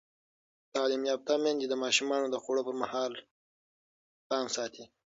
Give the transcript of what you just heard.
تعلیم یافته میندې د ماشومانو د خوړو پر مهال پام ساتي.